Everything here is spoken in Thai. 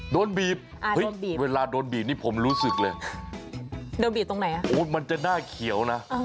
โดนบีบเวลาโดนบีบนี่ผมรู้สึกเลยโดนบีบตรงไหนโอ้ยมันจะหน้าเขียวนะ